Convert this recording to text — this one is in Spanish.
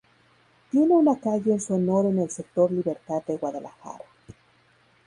Tiene una calle en su honor en el sector Libertad de Guadalajara.